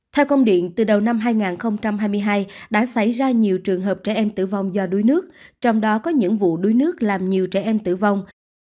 theo công điện từ đầu năm hai nghìn hai mươi hai đã xảy ra nhiều trường hợp trẻ em tử vong do đuối nước trong đó có những vụ đuối nước làm nhiều trẻ em tử vong